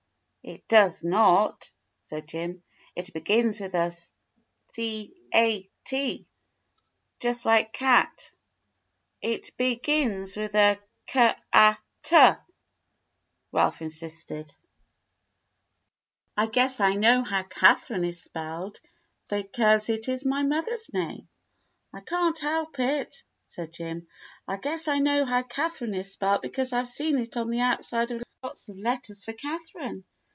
"It does not," said Jim. "It begins with a C a U just like cat." "It begins with a K a t,'" Ralph insisted. "I guess 86 THE BLUE AUNT I know how Katharine is spelled, because it is my mother's name." "I can't help it," said Jim. "I guess I know how Catherine is spelled, because I 've seen it on the out side of lots of letters for Catherine.